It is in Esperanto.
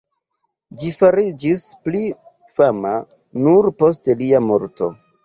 Ĝi fariĝis pli fama nur post lia morto.